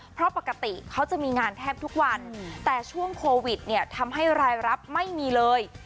เพราะปกติเขาจะมีงานแทบทุกวันแต่ช่วงโควิดเนี่ยทำให้รายรับไม่มีเลย